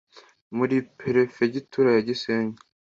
muri perefegitura ya gisenyi